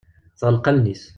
Tɣelleq allen-is.